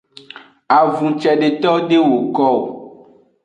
Avun cedeto de woko o.